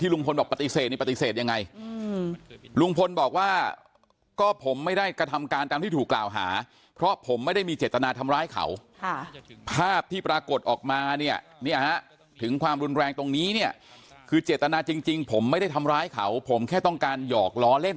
ลุงพลบอกปฏิเสธนี่ปฏิเสธยังไงลุงพลบอกว่าก็ผมไม่ได้กระทำการตามที่ถูกกล่าวหาเพราะผมไม่ได้มีเจตนาทำร้ายเขาภาพที่ปรากฏออกมาเนี่ยเนี่ยฮะถึงความรุนแรงตรงนี้เนี่ยคือเจตนาจริงผมไม่ได้ทำร้ายเขาผมแค่ต้องการหยอกล้อเล่น